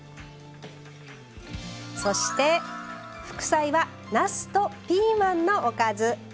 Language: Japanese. そして副菜はなすとピーマンのおかず。